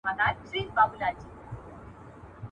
دا زموږ پیمان دی.